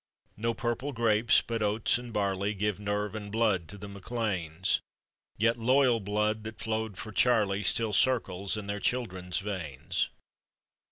No purple grapes, but oats and barley Give nerve and blood to the MacLeans, Yet loyal blood that flowed for Charlie Still circles in their children's veins.